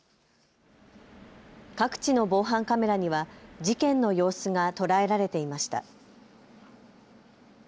各地の防犯カメラには事件の様子が捉えられていました。